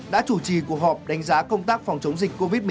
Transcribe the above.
đã chủ trì cuộc họp đánh giá công tác phòng chống dịch covid một mươi chín